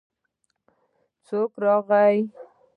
څوک راغی.